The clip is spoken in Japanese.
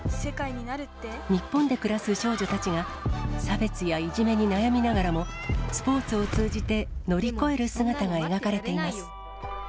日本で暮らす少女たちが、差別やいじめに悩みながらも、スポーツを通じて乗り越える姿が描かれています。